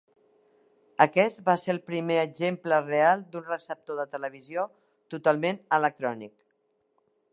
Aquest va ser el primer exemple real d'un receptor de televisió totalment electrònic.